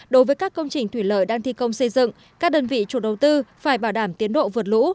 đối với các công trình thủy lợi đang thi công xây dựng các đơn vị chủ đầu tư phải bảo đảm tiến độ vượt lũ